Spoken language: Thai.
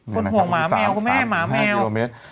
คนห่วงหมาแมวคุณแม่หมาแมว